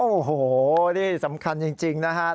โอ้โหนี่สำคัญจริงนะครับ